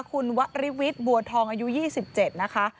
คุณวริวิทย์บัวทองอายุ๒๗นะคะ